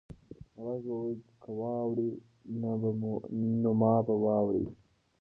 غږ وویل چې که واوړې نو ما به واورې.